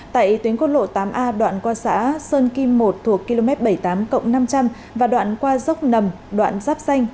tại tuyến quốc lộ tám a đoạn qua xã sơn kim một thuộc km bảy mươi tám năm trăm linh và đoạn qua dốc nầm đoạn giáp xanh